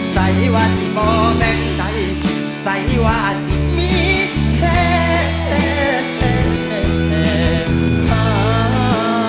ใส่ว่าสิบอแม่งใส่ใส่ว่าสิอีกแค่